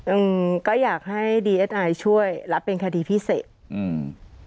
อืมก็อยากให้ดีเอสไอช่วยรับเป็นคดีพิเศษอืม